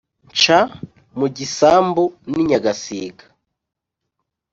Nca mu gisambu n'i Nyagasiga